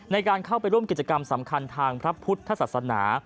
ในการเข้าไปร่วมกิจกรรมสำคัญทางพระพุทธศาสนา